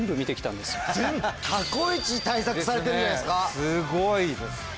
すごいです。